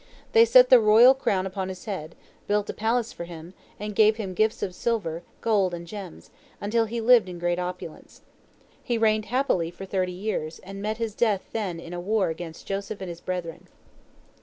They set the royal crown upon his head, built a palace for him, and gave him gifts of silver, gold, and gems, until he lived in great opulence. He reigned happily for thirty years, and met his death then in a war against Joseph and his brethren.